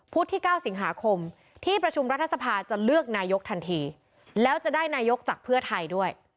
ที่๙สิงหาคมที่ประชุมรัฐสภาจะเลือกนายกทันทีแล้วจะได้นายกจากเพื่อไทยด้วย